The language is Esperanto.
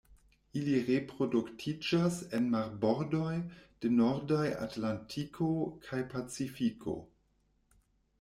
Ili reproduktiĝas en marbordoj de nordaj Atlantiko kaj Pacifiko.